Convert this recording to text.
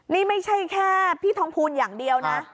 นี่ไม่ใช่แค่พี่ทองพูนอย่างเดียวนะ